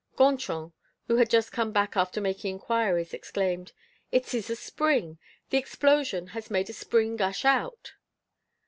Gontran, who had just come back after making inquiries, exclaimed: "It is a spring. The explosion has made a spring gush out!"